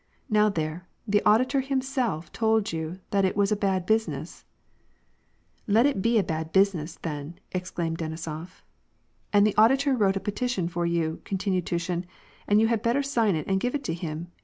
Now there, the audi tor himself told you that it was a bad business." " Let it be bad business, then," exclaimed Denisof. " And the auditor wrote a petition for you," continued Tu shin, " and you had better sign it and give it to him.